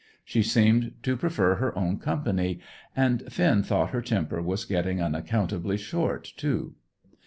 She seemed to prefer her own company, and Finn thought her temper was getting unaccountably short, too.